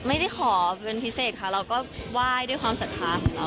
ไม่ได้ขอเป็นพิเศษค่ะเราก็ไหว้ด้วยความศรัทธาของเรา